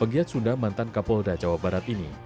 pegiat sunda mantan kapolda jawa barat ini